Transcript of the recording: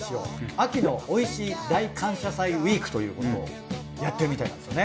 秋のおいしい大感謝祭ウイークということをやってるみたいなんですよね。